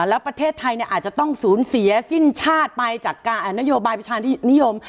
แล้วประเทศไทยอาจจะต้องสูญเสียสิ้นชาติไปจากการนโยบายประชานิยม